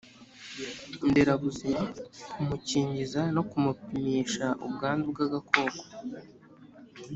nderabuzima kumukingiza no kumipimisha ubwandu bw agakoko